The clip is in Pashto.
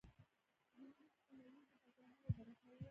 جنوب یې سیمه ییزو پاچاهانو اداره کاوه